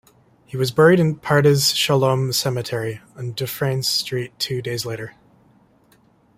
He was buried in Pardes Shalom Cemetery on Dufferin Street two days later.